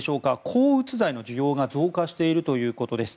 抗うつ剤の需要が増加しているということです。